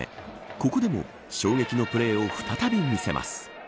ここでも衝撃のプレーを再び見せます。